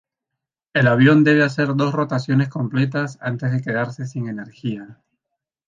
El avión debe hacer dos rotaciones completas antes de quedarse sin energía.